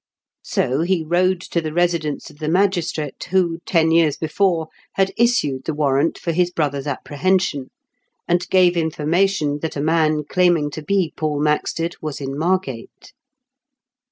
So he rode to the residence of the magistrate who, ten years before, had issued the warrant for his brother's apprehension, and gave information that a man claiming to be Paul Maxted was in Margate.